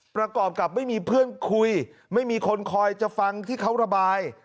ประกอบกับไม่มีเพื่อนคุยไม่มีคนคอยจะฟังที่เขาระบาย